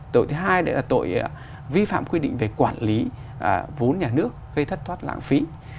tội thứ hai nữa là tội vi phạm quy định về quản lý vốn nhà nước gây thất thoát lãng phí